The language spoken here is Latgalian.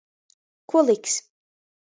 Kuliks.